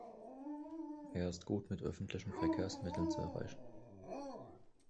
Er ist gut mit öffentlichen Verkehrsmitteln zu erreichen.